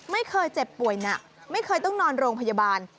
ไม่เคยเจ็บป่วยหนักไม่เคยต้องนอนโรงพยาบาล